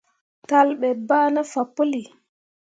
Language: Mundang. Talle ɓe bah ne fah puli.